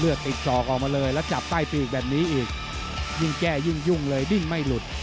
ติดศอกออกมาเลยแล้วจับใต้ปีกแบบนี้อีกยิ่งแก้ยิ่งยุ่งเลยดิ้นไม่หลุด